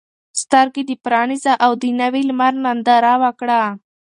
سترګې دې پرانیزه او د نوي لمر ننداره وکړه.